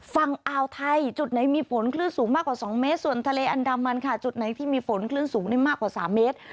ฝั่งอ่าวไทยจุดไหนมีฝนคลื่นสูงมากกว่า๒เมตรส่วนทะเลอันดามันค่ะจุดไหนที่มีฝนคลื่นสูงได้มากกว่า๓เมตร